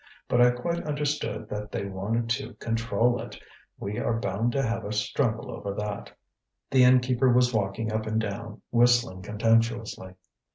But I quite understood that they wanted to control it. We are bound to have a struggle over that." The innkeeper was walking up and down, whistling contemptuously.